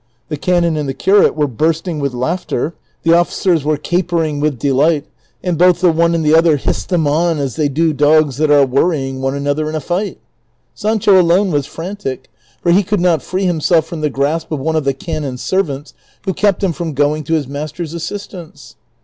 The canon and the curate Avere bursting Avith laughter, the oflicers Avere capering Avith delight, and both the one and the other hissed them on as they do dogs that are Avorrying one another in a fight.' Sancho alone Avas frantic, for he could not free himself from the grasp of one of the canon's servants, Avho kept him from going to his master's assistance.